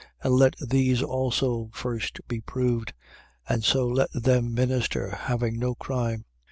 3:10. And let these also first be proved: and so let them minister, having no crime.